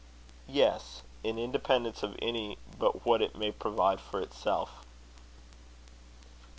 "Yes; in independence of any but what it may provide for itself."